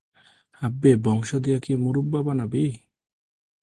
আব্বে, বংশ দিয়ে কি মুরব্বা বানাবি?